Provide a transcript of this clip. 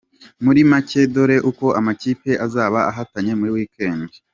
Muri make dore uko amakipe azaba ahatanye muri weekend :.